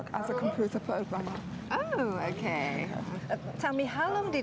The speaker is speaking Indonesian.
dalam beberapa bulan latihan